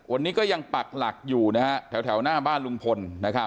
วันนี้ก็ยังปักหลักอยู่แถวหน้าบ้านลุงพล